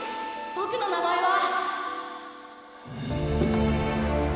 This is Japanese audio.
僕の名前は。